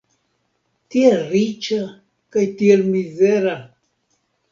Tiel riĉa kaj tiel mizera!